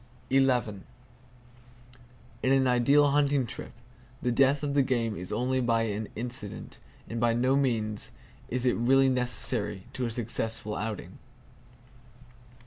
In an ideal hunting trip, the death of the game is only an incident; and by no means is it really necessary to a successful outing.